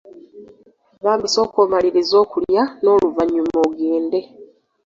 Bambi sooka omalirize okulya n’oluvannyuma ogende.